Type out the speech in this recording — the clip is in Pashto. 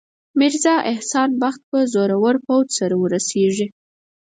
میرزا احسان بخت به زورور پوځ سره ورسیږي.